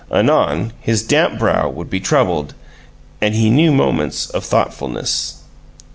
Anon his damp brow would be troubled, and he knew moments of thoughtfulness.